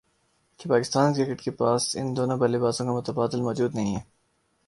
کہ پاکستان کرکٹ کے پاس ان دونوں بلے بازوں کا متبادل موجود نہیں ہے